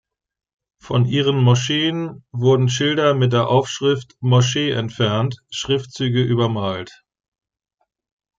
Von ihren Moscheen wurden Schilder mit der Aufschrift „Moschee“ entfernt, Schriftzüge übermalt.